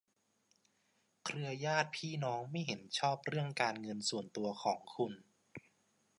เครือญาติพี่น้องไม่เห็นชอบเรื่องการเงินส่วนตัวของคุณ